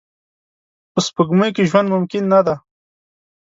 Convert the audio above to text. په سپوږمۍ کې ژوند ممکن نه دی